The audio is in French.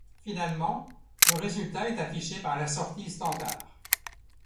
Finalement, le résultat est affiché par la sortie standard.